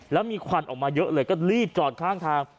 แล้วมีควันออกมาเยอะเลยก็รีบจอดข้างทาง